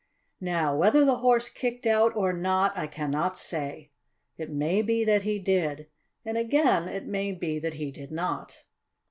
Now whether the Horse kicked out; or not, I cannot say. It may be that he did, and, again, it may be that he did not.